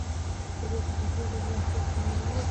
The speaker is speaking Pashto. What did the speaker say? ازادي راډیو د بانکي نظام د منفي اړخونو یادونه کړې.